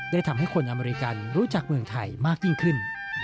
ได้ทำให้คนอเมริกันรู้จักเมืองไทยมากยิ่งขึ้น